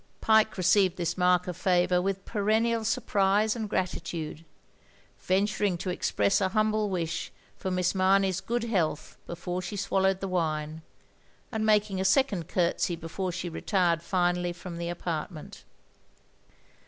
Pyke received this mark of favour with peren nial surprise and gratitude; venturing to express a humble wish for Miss Mamey's good health before she swallowed the wine, and making a second curtsey before she retired finally from the apartment.